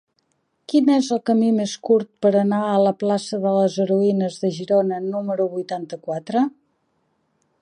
Quin és el camí més curt per anar a la plaça de les Heroïnes de Girona número vuitanta-quatre?